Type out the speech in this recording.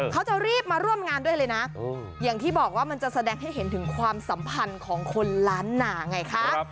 เขาจะรีบมาร่วมงานด้วยเลยนะอย่างที่บอกว่ามันจะแสดงให้เห็นถึงความสัมพันธ์ของคนล้านหนาไงคะ